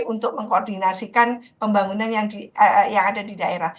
untuk mengkoordinasikan pembangunan yang ada di daerah